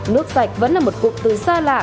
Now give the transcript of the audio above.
nước sạch vẫn là một cuộc từ xa lạ